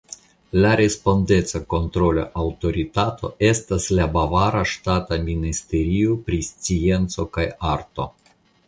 La respondeca kontrola aŭtoritato estas la Bavara Ŝtata Ministerio pri Scienco kaj Arto.